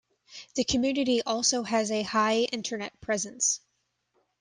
The community also has a high Internet presence.